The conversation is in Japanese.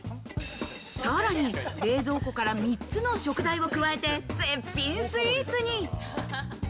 さらに冷蔵庫から３つの食材を加えて絶品スイーツに。